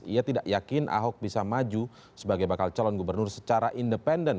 ia tidak yakin ahok bisa maju sebagai bakal calon gubernur secara independen